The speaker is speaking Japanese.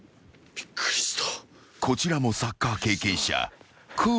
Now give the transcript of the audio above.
びっくりした。